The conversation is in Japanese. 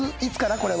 これは。